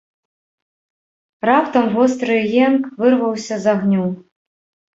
Раптам востры енк вырваўся з агню.